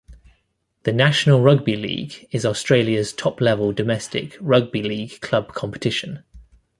The National Rugby League is Australia's top-level domestic rugby-league club competition.